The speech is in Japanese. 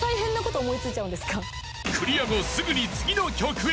クリア後すぐに次の曲へ。